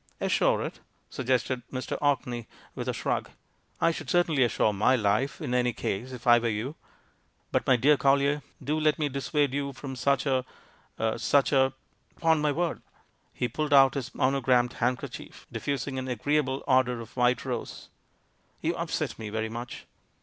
"Assure it," suggested Mr. Orkney, with a 628 THE MAN WHO UNDERSTOOD WOMEN shrug; "I should certainly assure my life, in any case, if I were you. But, my dear Collier, do let me dissuade you from such a — such a 'Pon my word!" He pulled out his monogrammed handkerchief, diffusing an agreeable odour of white rose. "You upset me very much."